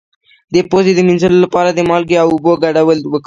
د پوزې د مینځلو لپاره د مالګې او اوبو ګډول وکاروئ